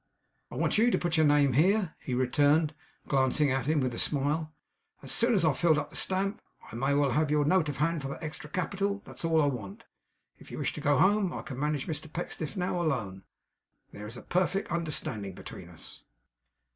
'I want you to put your name here,' he returned, glancing at him with a smile, 'as soon as I have filled up the stamp. I may as well have your note of hand for that extra capital. That's all I want. If you wish to go home, I can manage Mr Pecksniff now, alone. There is a perfect understanding between us.